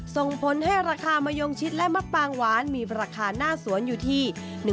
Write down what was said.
ส่งผลให้ราคามะยงชิดและมะปางหวานมีราคาหน้าสวนอยู่ที่